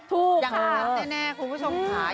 ทุกคนจะดูอยู่หรือเปล่า